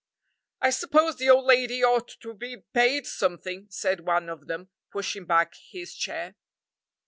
"I suppose the old lady ought to be paid something," said one of them, pushing back his chair.